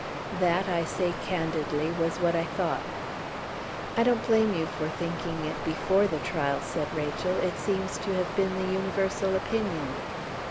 That, I say candidly, was what I thought." "I don't blame you for thinking it before the trial," said Rachel. "It seems to have been the universal opinion."